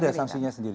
ada sanksinya sendiri